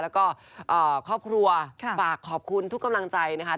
แล้วก็ครอบครัวฝากขอบคุณทุกกำลังใจนะคะ